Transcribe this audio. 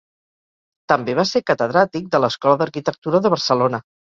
També va ser catedràtic de l'Escola d'Arquitectura de Barcelona.